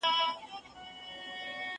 زه کولای شم اوبه وڅښم؟